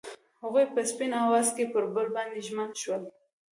هغوی په سپین اواز کې پر بل باندې ژمن شول.